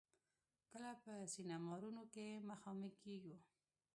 کله په سيمينارونو کې مخامخېږو.